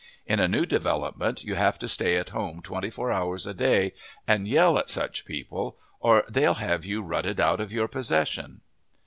In a new development you have to stay at home twenty four hours a day and yell at such people, or they'll have you rutted out of your possession.